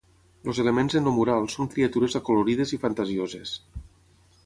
Els elements en el mural són criatures acolorides i fantasioses.